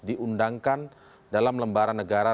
diundangkan dalam lembaran negara